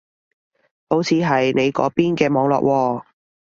好似係你嗰邊嘅網絡喎